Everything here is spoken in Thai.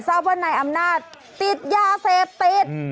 เศร้าพันธุ์ในอำนาจติดยาเสพติด